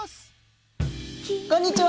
こんにちは。